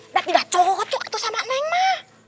neng tidak cocok itu sama nengma